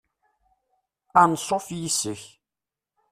Anṣuf yes-k.